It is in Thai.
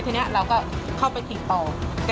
ทีนี้เราก็เข้าไปติดต่อ